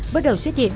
bắt đầu xuất hiện